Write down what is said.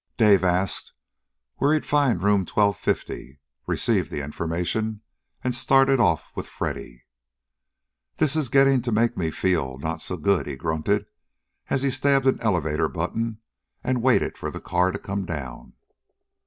Dave asked where he'd find Room Twelve Fifty, received the information, and started off with Freddy. "This is getting to make me feel not so good," he grunted, as he stabbed an elevator button and waited for the car to come down.